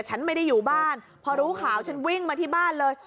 ฉันไม่ได้อยู่บ้านพอรู้ข่าวฉันวิ่งมาที่บ้านเลย